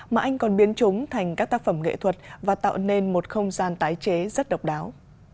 mà anh còn biến chúng thành các tác phẩm nghệ thuật và tạo nên một không gian tái chế rất độc đáo